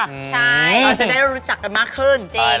เราจะได้รู้จักกันมากขึ้น